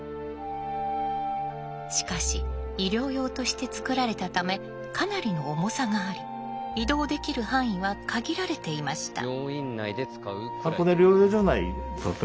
しかし医療用として作られたためかなりの重さがあり移動できる範囲は限られていました。